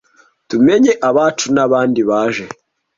tumenye abacu nabandi baje